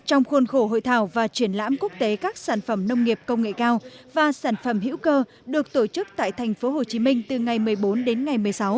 trong khuôn khổ hội thảo và triển lãm quốc tế các sản phẩm nông nghiệp công nghệ cao và sản phẩm hữu cơ được tổ chức tại tp hcm từ ngày một mươi bốn đến ngày một mươi sáu